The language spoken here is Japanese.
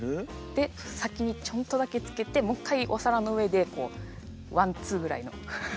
で先にチョンとだけつけてもう一回お皿の上でこうワンツーぐらいの。